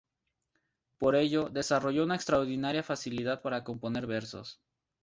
Por ello desarrolló una extraordinaria facilidad para componer versos.